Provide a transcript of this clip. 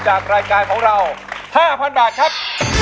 จากรายการของเรา๕๐๐๐บาทครับ